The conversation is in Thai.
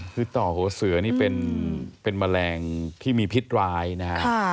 ฮึตต่อโหสือนี่เป็นแมลงที่มีพิษรายนะ